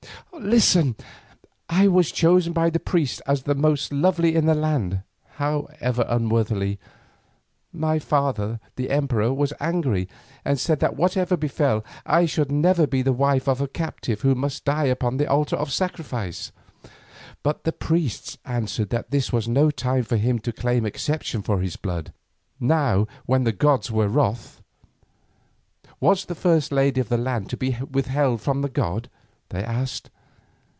Listen: I was chosen by the priests as the most lovely in the land, however unworthily. My father, the emperor, was angry and said that whatever befell, I should never be the wife of a captive who must die upon the altar of sacrifice. But the priests answered that this was no time for him to claim exception for his blood, now when the gods were wroth. Was the first lady in the land to be withheld from the god? they asked.